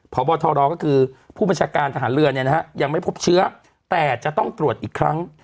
พบทรก็คือผู้บัญชาการทหารเรือเนี่ยนะฮะยังไม่พบเชื้อแต่จะต้องตรวจอีกครั้ง